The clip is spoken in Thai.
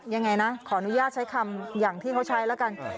ยังไงนะขออนุญาตใช้คำอย่างที่เขาใช้แล้วกัน